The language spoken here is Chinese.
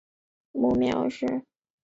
母苗氏。